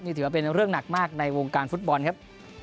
นี่ถือว่าเป็นเรื่องหนักมากในวงการฟุตบอลครับ